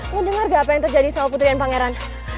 mendengar gak apa yang terjadi sama putri dan pangeran